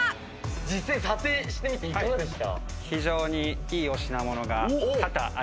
実際、査定してみていかがでした？